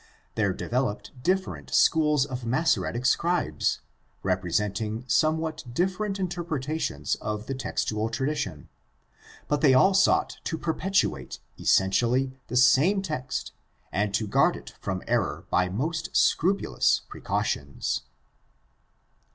There developed different^ schools of Massoretic scribes, representing somewhat different interpretations of the textual tradition, but they all sought to perpetuate essentially the same text and to guard it from error by most scrupulous precautions.